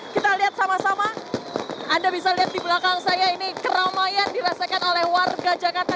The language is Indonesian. kita lihat sama sama anda bisa lihat di belakang saya ini keramaian dirasakan oleh warga jakarta